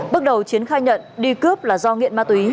bước đầu chiến khai nhận đi cướp là do nghiện ma túy